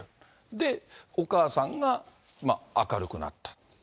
で、お母さんが明るくなったと。